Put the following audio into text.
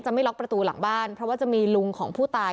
ไม่ล็อกประตูหลังบ้านเพราะว่าจะมีลุงของผู้ตาย